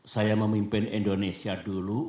saya memimpin indonesia dulu